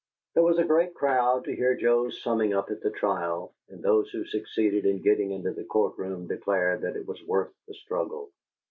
There was a great crowd to hear Joe's summing up at the trial, and those who succeeded in getting into the court room declared that it was worth the struggle.